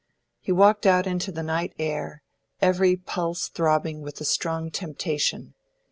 He walked out into the night air, every pulse throbbing with the strong temptation.